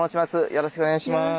よろしくお願いします。